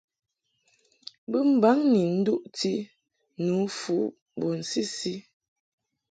Bunbaŋ ni nduʼti nǔfu bun sisi.